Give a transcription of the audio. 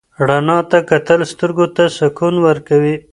رڼا ته کتل سترګو ته سکون ورکوي.